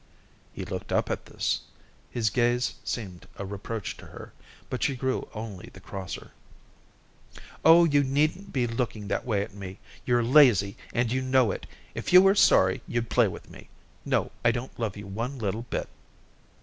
He looked up at this. His gaze seemed a reproach to her, but she grew only the crosser. "Oh, you needn't be looking that way at me. You're lazy, and you know it. If you were sorry, you'd play with me. No, I don't love you one little bit."